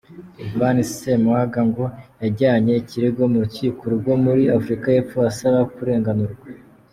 Yvan Ssemwanga ngo yajyanye ikirego mu rukiko rwo muri Afurika y’Epfo asaba kurenganurwa.